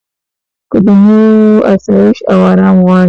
که د نورو اسایش او ارام غواړې.